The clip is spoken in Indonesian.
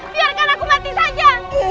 biarkan aku mati saja